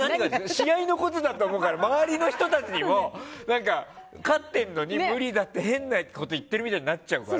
試合のことだと思うから周りの人たちにも、勝ってんのに無理だって変なこと言ってるみたいになっちゃうから。